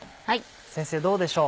先生どうでしょう？